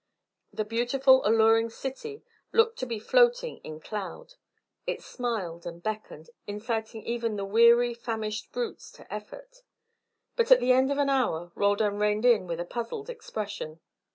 The beautiful alluring city looked to be floating in cloud; it smiled and beckoned, inciting even the weary famished brutes to effort. But at the end of an hour Roldan reined in with a puzzled expression.